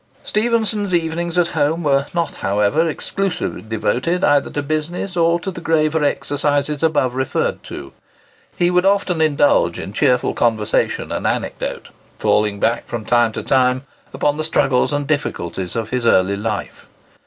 Stephenson's evenings at home were not, however, exclusively devoted either to business or to the graver exercises above referred to. He would often indulge in cheerful conversation and anecdote, falling back from time to time upon the struggles and difficulties of his early life.